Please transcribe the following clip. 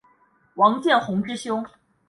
王鸿渐之兄。